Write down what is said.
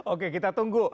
oke kita tunggu